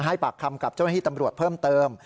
ให้ปากคำกับเจ้าหน้าที่ตำรวจเพิ่มเติม